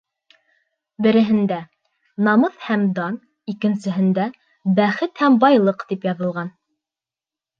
Береһендә: «Намыҫ һәм дан», икенсеһендә: «Бәхет һәм байлыҡ» тип яҙылған.